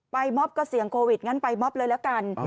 ม็อบก็เสี่ยงโควิดงั้นไปมอบเลยแล้วกัน